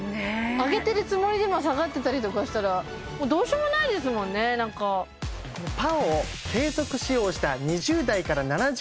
上げてるつもりでも下がってたりとかしたらもうどうしようもないですもんねなんかほぼほぼ１００％